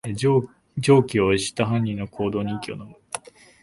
常軌を逸した犯人の行動に息をのむ